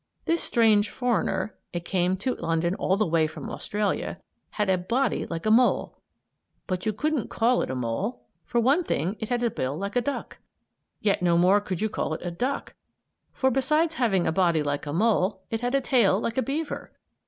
This strange foreigner it came to London all the way from Australia had a body like a mole. But you couldn't call it a mole. For one thing, it had a bill like a duck. Yet no more could you call it a duck; for, besides having a body like a mole, it had a tail like a beaver.